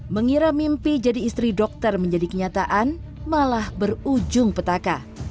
mengira mimpi jadi istri dokter menjadi kenyataan malah berujung petaka